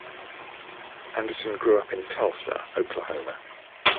Anderson grew up in Tulsa, Oklahoma.